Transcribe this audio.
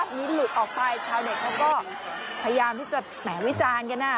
ยิ้มหลุดออกไปชาวเน็ตเขาก็พยายามที่จะแหมวิจารณ์กัน